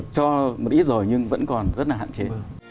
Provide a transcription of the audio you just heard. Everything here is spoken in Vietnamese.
cho một ít rồi nhưng vẫn còn rất là hạn chế hơn